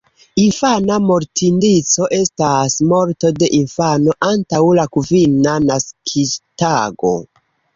Infana mortindico estas morto de infano antaŭ la kvina naskiĝtago.